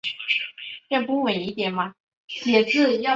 朗提尼人口变化图示